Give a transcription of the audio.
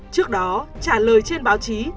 trước đó trả lời trên báo chí